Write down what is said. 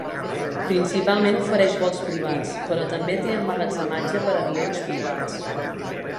Principalment ofereix vols privats, però també té emmagatzematge per a avions privats.